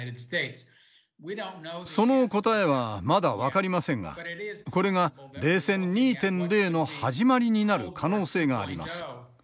その答えはまだ分かりませんがこれが「冷戦２．０」の始まりになる可能性があります。